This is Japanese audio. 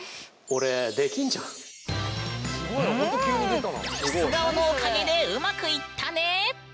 うんキス顔のおかげでうまくいったね！